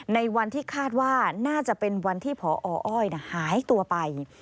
ในวันที่คาดว่าน่าจะเป็นวันที่พออ้อยหายตัวไป